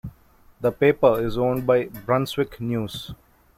The paper is owned by Brunswick News.